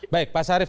baik pak sarif